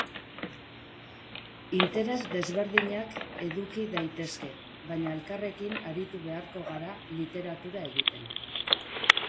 Interes ezberdinak eduki daitezke, baina elkarrekin aritu beharko gara literatura egiten.